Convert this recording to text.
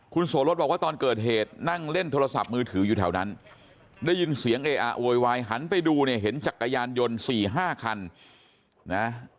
คุณโสรสบอกว่าตอนเกิดเหตุนั่งเล่นโทรศัพท์มือถืออยู่แถวนั้นได้ยินเสียงเออะโวยวายหันไปดูเนี่ยเห็นจักรยานยนต์๔๕คันนะ